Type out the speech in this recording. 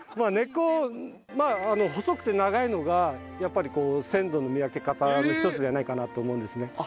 根っこまあ細くて長いのがやっぱりこう鮮度の見分け方の一つじゃないかなと思うんですね。